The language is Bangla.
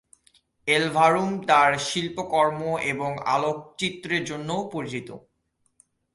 এলভারুম তার শিল্পকর্ম এবং আলোকচিত্রের জন্যও পরিচিত।